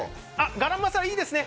ガラムマサラいいですね。